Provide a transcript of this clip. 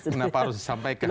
kenapa harus disampaikan